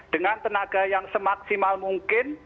dengan tenaga yang semaksimal mungkin